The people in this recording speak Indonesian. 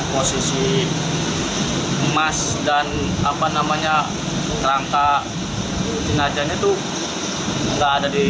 posisi emas dan apa namanya rangka jenazahnya itu nggak ada di